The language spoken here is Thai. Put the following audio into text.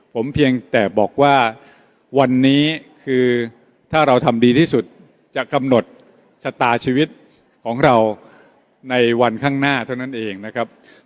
ผมเพียงแต่บอกว่าวันนี้คือถ้าเราทำดีที่สุดจะกำหนดชะตาชีวิตของเราในวันข้างหน้าเท่านั้นเองนะครับ